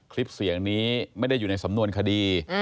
คลิปเสียงนี้ไม่ได้อยู่ในสำนวนคดี